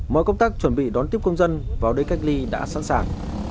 mọi công tác chuẩn bị đón tiếp công dân vào đây cách ly đã sẵn sàng